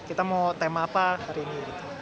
kita mau tema apa hari ini